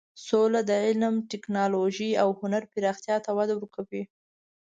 سوله د علم، ټکنالوژۍ او هنر پراختیا ته وده ورکوي.